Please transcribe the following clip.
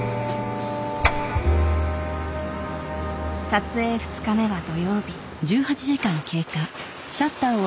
撮影２日目は土曜日。